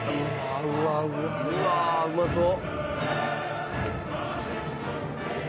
うわうまそう。